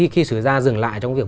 khi sửa ra dừng lại trong việc